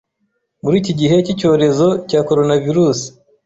muri iki gihe cy’icyorezo cya Coronavirus